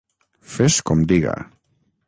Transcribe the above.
Fes com diga.